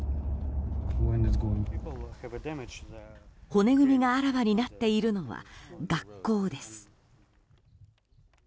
骨組みがあらわになっているのは学校です。